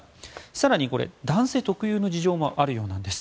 更に、男性特有の事情もあるようなんです。